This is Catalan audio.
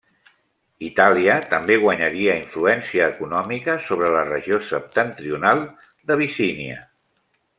Itàlia també guanyaria influència econòmica sobre la regió septentrional d'Abissínia.